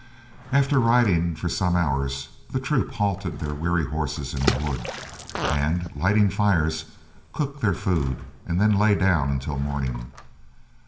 After riding for some hours the troop halted their weary horses in a wood, and lighting fires, cooked their food, and then lay down until morning.